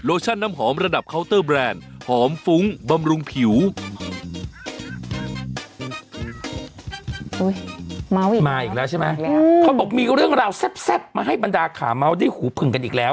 มาอีกมาอีกแล้วใช่ไหมเขาบอกมีเรื่องราวแซ่บมาให้บรรดาขาเมาส์ได้หูผึ่งกันอีกแล้ว